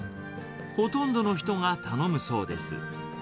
ほとんどの人が頼むそうです。